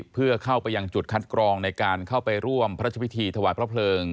เพื่อเข้าไปยังจุดคัดกรองในการเข้าไปร่วมพระราชพิธีถวายพระเพลิง